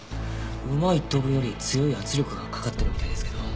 馬１頭分より強い圧力がかかってるみたいですけど。